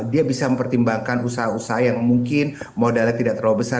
dia bisa mempertimbangkan usaha usaha yang mungkin modalnya tidak terlalu besar